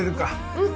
うん。